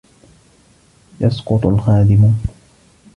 يَسْقُطُ الْخَادِمُ.